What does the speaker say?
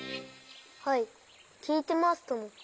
はいきいてますとも。